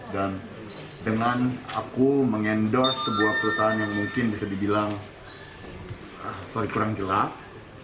dan dengan aku mengendorse sebuah perusahaan yang mungkin bisa dibilang kurang jelas